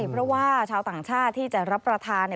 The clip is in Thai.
เพราะว่าชาวต่างชาติที่จะรับประทาน